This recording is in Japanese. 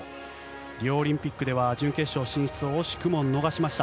リオオリンピックでは、準決勝進出を惜しくも逃しました。